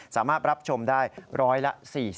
สามารถรับชมได้ร้อยละ๔๐